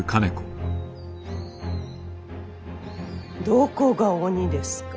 どこが鬼ですか。